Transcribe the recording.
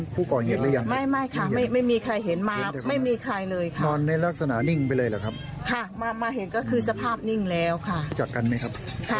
พี่คุณรู้จักกันครับ